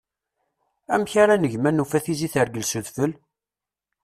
Amek ara neg ma nufa tizi tergel s udfel?